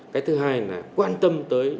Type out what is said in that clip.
cái thứ hai là quan tâm tới